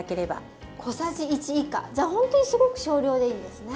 じゃほんとにすごく少量でいいんですね。